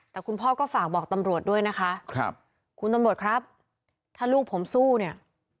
แต่คุณพ่อก็ฝากบอกตำรวจด้วยนะคะครับคุณตำรวจครับถ้าลูกผมสู้เนี่ย